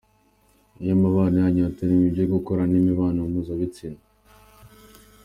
Iyo umubano wanyu hatarimo ibyo gukorana imibonano mpuzabitsina.